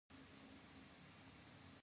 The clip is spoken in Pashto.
ځي خلې نه مې جلۍ